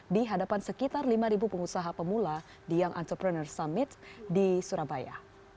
di hadapan sekitar lima pengusaha pemula di young entrepreneur summit di surabaya